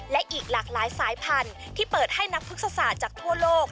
และอีกหลากหลายสายพันธุ์ที่เปิดให้นักพฤกษาจากทั่วโลก